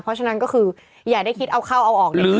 เพราะฉะนั้นก็คืออย่าได้คิดเอาเข้าเอาออกเนี่ย